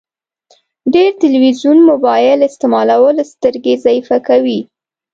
ډير تلويزون مبايل استعمالول سترګي ضعیفه کوی